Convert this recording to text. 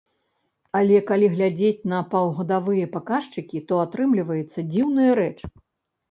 Але, калі глядзець на паўгадавыя паказчыкі, то атрымліваецца дзіўная рэч.